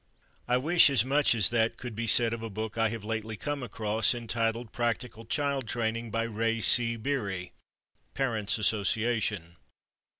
I wish as much as that could be said of a book I have lately come across entitled "Practical Child Training," by Ray C. Beery (Parent's Association).